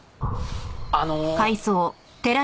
あの。